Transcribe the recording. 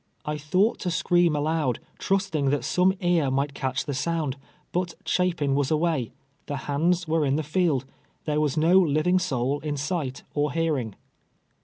I thought to scream aloud, trusting that some ea* might catch the sound — but Chapin was away; the hands were in the field ; there was no living soul in sight or hearing.